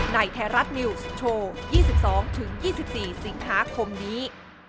ในแทรศนิวส์โชว์๒๒๒๔สิงหาคมนี้